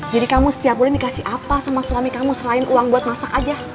jadi kamu setiap bulan dikasih apa sama suami kamu selain uang buat masak aja